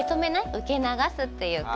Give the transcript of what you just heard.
受け流すっていうか。